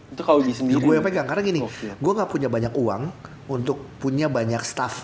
itu kalau gue yang pegang karena gini gue gak punya banyak uang untuk punya banyak staff